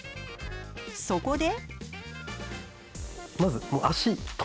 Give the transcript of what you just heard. そこで。